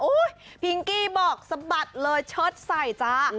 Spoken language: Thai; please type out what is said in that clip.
อุ๊ยพิงกี้บอกสะบัดเลยช็อตใส่จ้า